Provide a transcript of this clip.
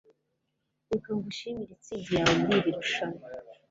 reka ngushimire intsinzi yawe muri iri rushanwa